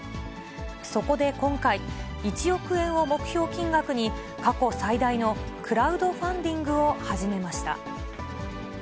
そこで今回、１億円を目標金額に、過去最大のクラウドファンディングを始めました。